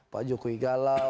pak jokowi galau